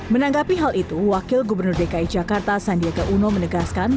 menanggapi hal itu wakil gubernur dki jakarta sandiaga uno menegaskan